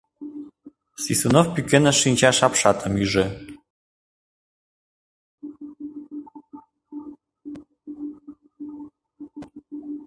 Свистунов пӱкеныш шинчаш апшатым ӱжӧ.